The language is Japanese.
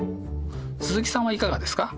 鈴木さんはいかがですか？